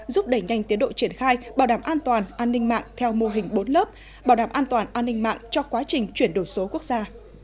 giúp đẩy nhanh tiến độ triển khai bảo đảm an toàn an ninh mạng theo mô hình bốn lớp bảo đảm an toàn an ninh mạng cho quá trình chuyển đổi số quốc gia